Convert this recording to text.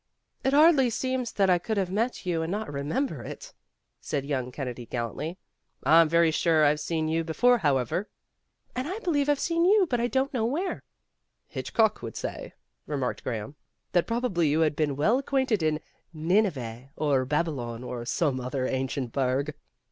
"It hardly seems that I could have met you and not remember it," said young Kennedy gallantly. "I'm very sure I've seen you be fore, however." "And I believe I've seen you, but I don't know where." "Hitchcock would say," remarked Graham, '' that probably you had been well acquainted in Nineveh or Babylon or some other ancient burg."